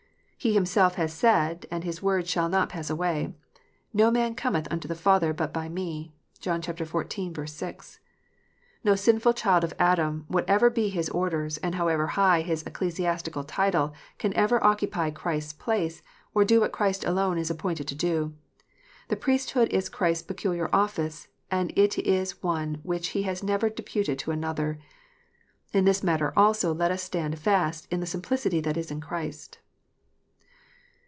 He Himself has said, and His word shall not pass away, "No man cometh unto the Father but by Me." (John xiv. 6.) No sinful child of Adam, whatever be his orders, and however high his ecclesiastical title, can ever occupy Christ s place, or do what Christ alone is appointed to do. The priesthood is Christ s peculiar office, and it is one which He has never deputed to another. In this matter also let us stand fast in "the simplicity that is in Christ."